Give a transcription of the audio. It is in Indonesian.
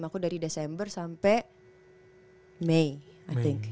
aku dari desember sampai mei think